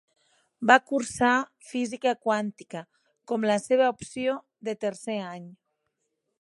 Va cursar física teòrica com la seva opció de tercer any.